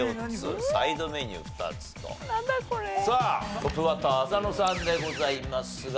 トップバッター浅野さんでございますが。